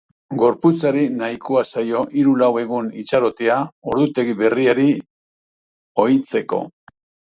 Gorputzari nahikoa zaio hiru-lau egun itxarotea ordutegi berriari ohitzeko.